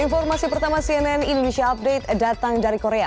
informasi pertama cnn indonesia update datang dari korea